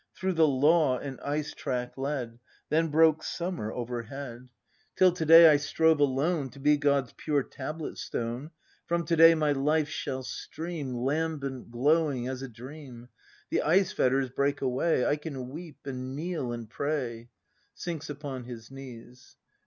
] Through the Law an ice track led, — Then broke summer overhead! 304 BRAND [act v Till to day I strove alone To be God's pure tablet stone; — From to day my life shall stream Lambent, glowing, as a dream. The ice fetters break away, I can weep, — and kneel, — and pray! [Sinks upon his knees.